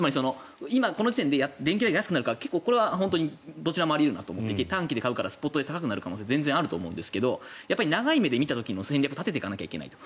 この時点で電気代が安くなるこれはあり得るなと思っていて短期で買うからスポットで高くなる可能性は全然あると思うんですけど長い目で見た時の戦略を立てていかなきゃいけないと。